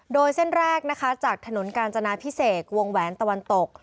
โดยเส้นแรกนะคะจากถนนกาญจนาพิเศษวงแหวนตะวันตก